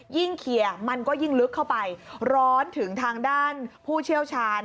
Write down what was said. เคลียร์มันก็ยิ่งลึกเข้าไปร้อนถึงทางด้านผู้เชี่ยวชาญ